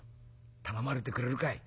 頼まれてくれるかい？」。